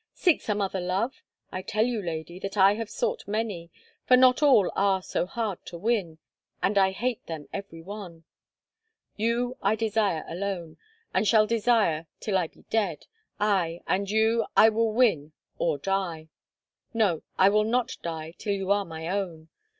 Seek some other love? I tell you, lady, that I have sought many, for not all are so hard to win, and I hate them every one. You I desire alone, and shall desire till I be dead, aye, and you I will win or die. No, I will not die till you are my own.